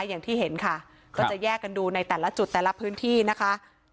อย่างที่เห็นค่ะก็จะแยกกันดูในแต่ละจุดแต่ละพื้นที่นะคะ